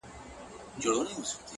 د ایپي د مورچلونو وخت به بیا سي٫